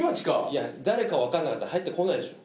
いや誰かわかんなかったら入ってこないでしょ。